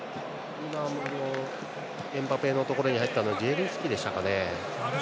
今もエムバペのところに入ったのはジエリンスキですかね。